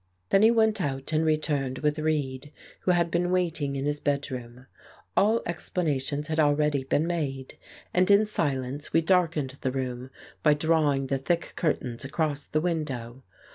Then he went out, and returned with Reid, who had been waiting in his bedroom. All explanations had already been made, and in silence we darkened the room by drawing the thick curtains across the window.